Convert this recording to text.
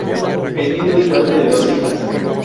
Es viudo y padre de dos hijas.